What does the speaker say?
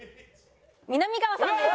みなみかわさんです。